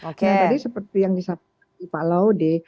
nah tadi seperti yang disampaikan pak laude